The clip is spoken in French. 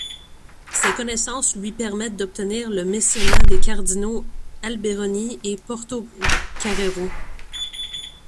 Ses connaissances lui permettent d'obtenir le mécénat des cardinaux Alberoni et Portocarrero.